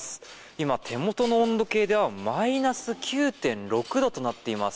今、手元の温度計ではマイナス９．６度となっています。